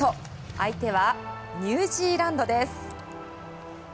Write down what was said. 相手はニュージーランドです。